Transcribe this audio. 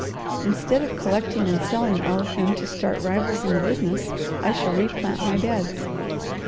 Instead of collecting and selling all of them to start rivals in the business, I shall replant my beds.